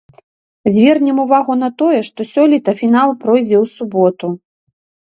Звернем увагу на тое, што сёлета фінал пройдзе ў суботу.